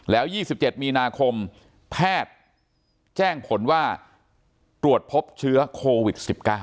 แล้ว๒๗มีนาคมแพทย์แจ้งผลว่าตรวจพบเชื้อโควิด๑๙